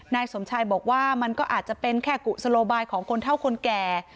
นายสมชายบอกว่ามันก็อาจจะเป็นแค่กุศโลบายของคนเท่าคนแก่